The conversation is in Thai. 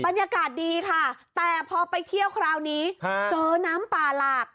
บรรยากาศดีค่ะแต่พอไปเที่ยวคราวนี้เจอน้ำป่าหลาก